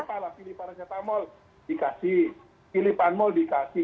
pilih para setan mal dikasih pilih para mal dikasih